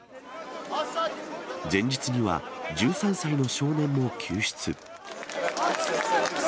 前日には、１３歳の少年も救出。